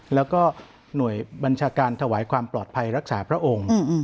แล้วก็หน่วยบัญชาการถวายความปลอดภัยรักษาพระองค์